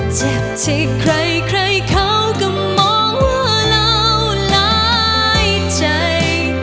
เจ็บที่ใครใครเขาก็มองว่าเราหลายใจ